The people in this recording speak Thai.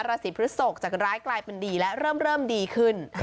ราศีพฤศกจากร้ายกลายเป็นดีและเริ่มดีขึ้น